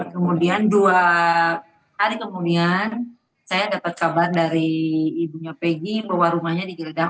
kemudian dua hari kemudian saya dapat kabar dari ibunya peggy bahwa rumahnya digeledah